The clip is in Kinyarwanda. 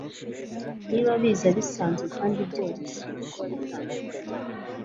niba biza bisanzwe kandi byoroshye kuba bitandukanye